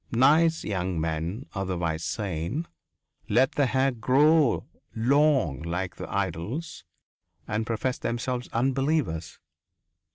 Nice young men, otherwise sane, let their hair grow long like their idol's and professed themselves unbelievers.